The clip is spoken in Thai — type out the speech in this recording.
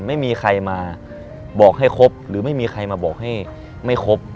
ไม่มีใครมาบอกให้ครบหรือไม่มีใครมาบอกให้ไม่ครบ